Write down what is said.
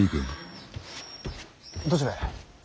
どちらへ。